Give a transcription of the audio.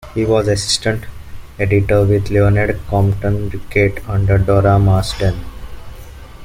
He was assistant editor with Leonard Compton-Rickett under Dora Marsden.